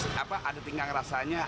ternyata ada tingkang rasanya